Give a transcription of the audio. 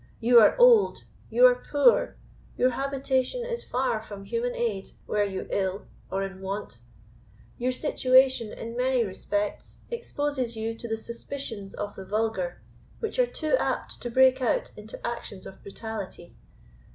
You are old; you are poor; your habitation is far from human aid, were you ill, or in want; your situation, in many respects, exposes you to the suspicions of the vulgar, which are too apt to break out into actions of brutality.